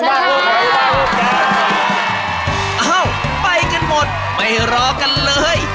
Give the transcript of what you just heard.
เอ้าไปกันหมดไม่รอกันเลย